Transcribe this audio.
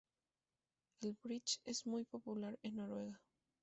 El bridge es muy popular en Noruega.